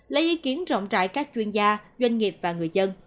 lấy ý kiến rộng rãi các chuyên gia doanh nghiệp và người dân